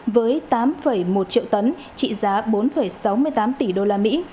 với tám một triệu tấn trị giá bốn sáu mươi tám tỷ đô la mỹ